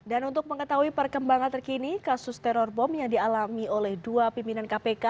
dan untuk mengetahui perkembangan terkini kasus teror bom yang dialami oleh dua pimpinan kpk